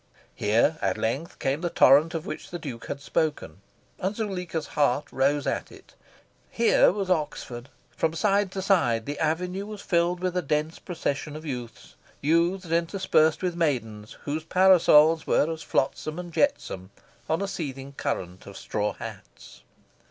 Here, at length, came the torrent of which the Duke had spoken; and Zuleika's heart rose at it. Here was Oxford! From side to side the avenue was filled with a dense procession of youths youths interspersed with maidens whose parasols were as flotsam and jetsam on a seething current of straw hats.